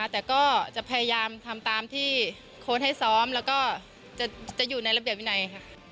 แต่ก็จะพยายามทำตามที่โค้ดให้ซ้อมแล้วก็จะอยู่ในระเบียบวินัยค่ะ